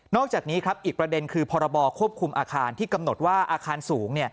อกจากนี้ครับอีกประเด็นคือพรบควบคุมอาคารที่กำหนดว่าอาคารสูง